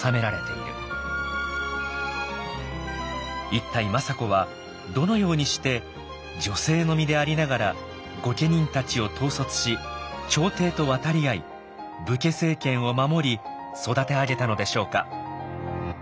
一体政子はどのようにして女性の身でありながら御家人たちを統率し朝廷と渡り合い武家政権を守り育て上げたのでしょうか。